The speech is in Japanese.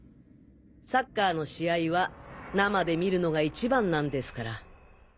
サッカーの試合は生で観るのが一番なんですから。